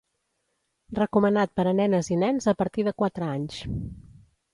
Recomanat per a nenes i nens a partir de quatre anys.